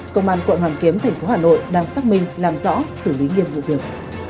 công an quận hoàng kiếm tp hà nội đang xác minh làm rõ xử lý nghiệp vụ việc